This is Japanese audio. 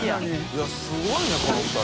いすごいねこの２人。